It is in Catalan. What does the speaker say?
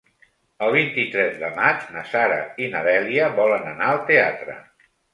El vint-i-tres de maig na Sara i na Dèlia volen anar al teatre.